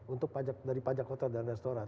untuk pajak dari pajak kota dan restoran